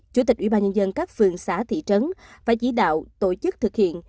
chủ tịch ủy ban nhân dân các phương xá thị trấn và chỉ đạo tổ chức thực hiện